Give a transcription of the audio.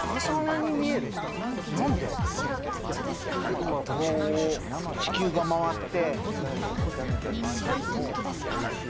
だからこう地球が回って。